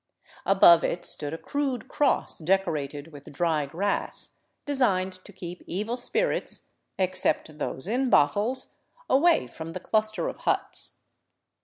Above it stood a crude cross decorated with dry grass, designed to keep evil spirits — except those in bottles — away from the cluster of huts.